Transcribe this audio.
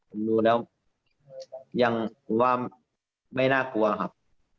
ผมดูแล้วยังผมว่าไม่น่ากลัวครับ